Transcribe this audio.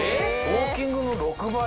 ウォーキングの６倍？